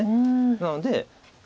なので。